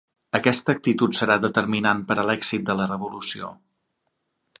Aquesta actitud serà determinant per a l'èxit de la revolució.